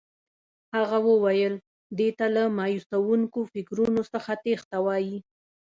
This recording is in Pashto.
هغه وویل دې ته له مایوسوونکو فکرو څخه تېښته وایي.